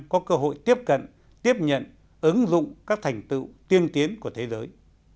có cơ hội tiếp cận tiếp nhận ứng dụng các thành tựu tiên tiến của thế giới